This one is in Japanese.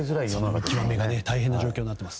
見極めが大変な状況になっています。